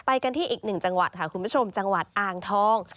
กันที่อีกหนึ่งจังหวัดค่ะคุณผู้ชมจังหวัดอ่างทอง